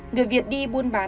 người việt đi buôn bán